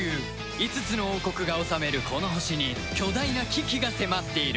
５つの王国が治めるこの星に巨大な危機が迫っている